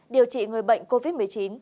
điều trị người bệnh covid một mươi chín